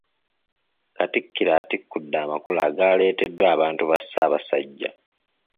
Katikkiro atikudde amakula agaaleeteddwa abantu ba Ssaabasajja.